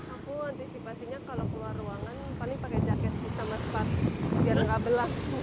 sebenarnya kalau keluar ruangan paling pakai jaket sama sepatu biar nggak belah